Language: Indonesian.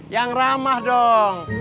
yang ramah dong